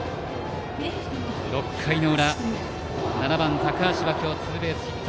６回の裏、バッターの７番、高橋は今日ツーベースヒット。